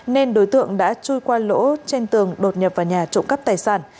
nên đối tượng đã trôi qua lỗ trên tường đột nhập vào nhà trộm cắp tài sản